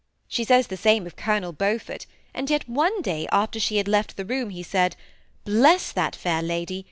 She says the same of Colonel Beaufort ; and yet one day after she had left the room he said, ' Bless that fair lady